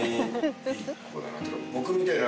僕みたいな。